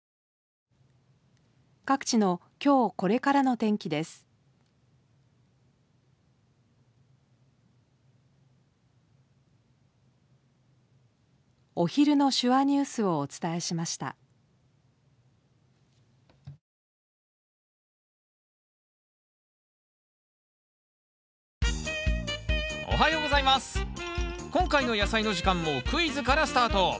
今回の「やさいの時間」もクイズからスタート。